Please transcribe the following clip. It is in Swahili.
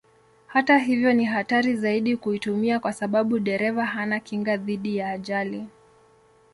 Hata hivyo ni hatari zaidi kuitumia kwa sababu dereva hana kinga dhidi ya ajali.